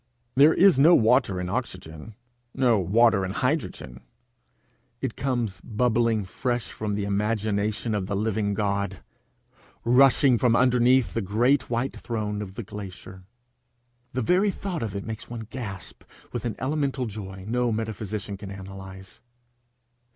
There is no water in oxygen, no water in hydrogen: it comes bubbling fresh from the imagination of the living God, rushing from under the great white throne of the glacier. The very thought of it makes one gasp with an elemental joy no metaphysician can analyse.